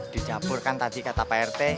dijabur kan tadi kata pak rt